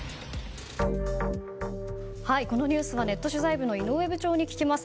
このニュースはネット取材部の井上部長に聞きます。